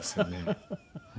フフフフ！